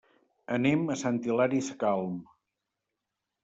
Anem a Sant Hilari Sacalm.